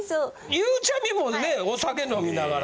ゆうちゃみもねお酒飲みながら。